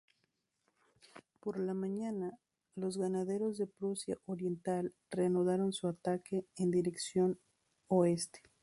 Por la mañana, los granaderos de Prusia Oriental reanudaron su ataque en dirección oeste.